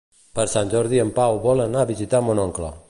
Per Sant Jordi en Pau vol anar a visitar mon oncle.